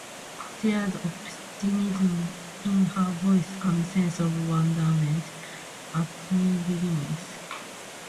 There's optimism in her voice and a sense of wonderment at new beginnings.